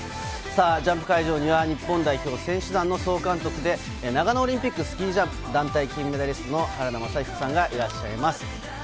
ジャンプ会場には日本代表選手団の総監督で長野オリンピックスキージャンプ団体、金メダリストの原田雅彦さんがいらっしゃいます。